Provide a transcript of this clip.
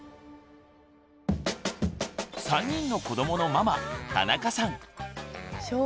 ３人の子どものママ田中さん。